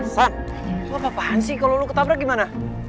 san lu apa apaan sih kalo lu ketabrak gimana